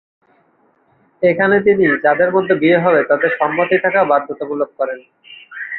এখানে তিনি যাদের মধ্যে বিয়ে হবে তাদের সম্মতি থাকা বাধ্যতামূলক করেন।